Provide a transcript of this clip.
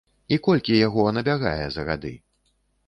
І колькі яго набягае за гады?